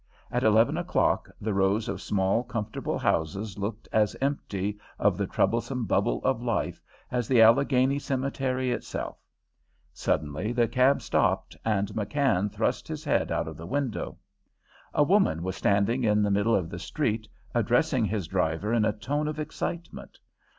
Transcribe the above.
At eleven o'clock the rows of small, comfortable houses looked as empty of the troublesome bubble of life as the Allegheny cemetery itself. Suddenly the cab stopped, and McKann thrust his head out of the window. A woman was standing in the middle of the street addressing his driver in a tone of excitement.